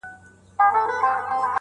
له سدیو تښتېدلی چوروندک دی،